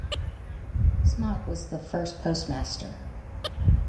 Smock was the first postmaster.